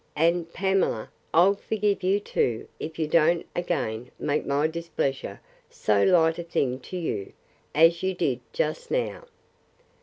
—And, Pamela, I'll forgive you too, if you don't again make my displeasure so light a thing to you, as you did just now.